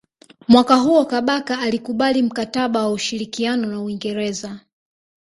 Mwaka huo Kabaka alikubali mkataba wa ushirikiano na Uingereza